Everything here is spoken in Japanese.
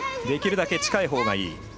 できるだけ近いほうがいい。